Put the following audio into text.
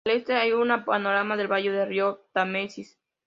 Al este hay un panorama del valle del río Támesis.